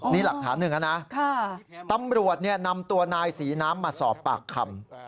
นี่หลักฐานหนึ่งแล้วนะตำรวจนำตัวนายศรีน้ำมาสอบปากคำ